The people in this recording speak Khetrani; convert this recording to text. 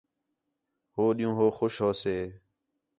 ہو ݙِین٘ہوں ہو خوش ہوسے